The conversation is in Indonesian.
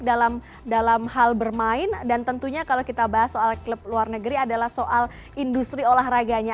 dalam hal bermain dan tentunya kalau kita bahas soal klub luar negeri adalah soal industri olahraganya